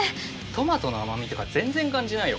トマトの甘みとか全然感じないよ。